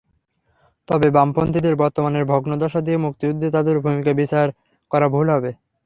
তবে বামপন্থীদের বর্তমানের ভগ্নদশা দিয়ে মুক্তিযুদ্ধে তাদের ভূমিকা বিচার করা ভুল হবে।